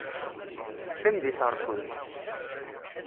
Teqqim deg terkent.